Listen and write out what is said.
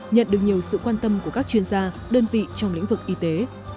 nhận được nhiều sự quan tâm của các chuyên gia đơn vị trong lĩnh vực y tế